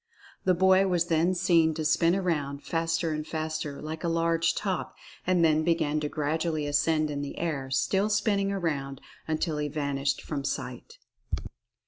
The boy was then seen to spin around, faster and faster, like a large top, and then began to gradually ascend in the air, still spinning around, un til he vanished from sight.